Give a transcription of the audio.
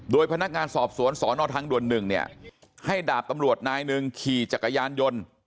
โดยพนักงานสอบสวนสอนอทางด่วน๑เนี่ยให้ดาบตำรวจนายหนึ่งขี่จักรยานยนต์